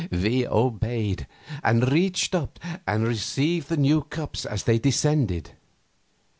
We obeyed, and reached up and received the new cups as they descended.